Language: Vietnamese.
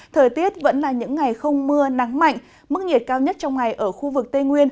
thời tiết vẫn là những ngày không mưa nắng mạnh mức nhiệt cao nhất trong ngày ở khu vực tây nguyên